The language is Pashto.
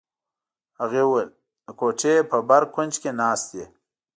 هغې وویل: د کوټې په بر کونج کې ناست یې.